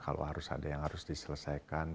kalau harus ada yang harus diselesaikan